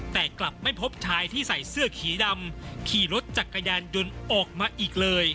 แต่กลับไม่พบชายที่ใส่เสื้อสีดำขี่รถจักรยานยนต์ออกมาอีกเลย